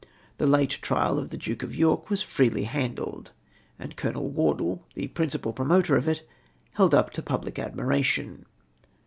The late trial of the Duke of York was freely handled, and Colonel Wardle, the principal promoter of it, held up to public admiration.